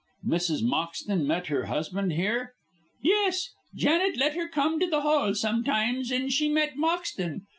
"Mrs. Moxton met her husband here?" "Yes. Janet let her come to the hall sometimes, and she met Moxton.